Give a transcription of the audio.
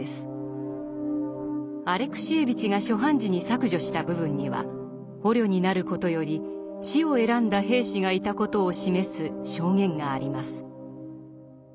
アレクシエーヴィチが初版時に削除した部分には捕虜になることより死を選んだ兵士がいたことを示す証言があります。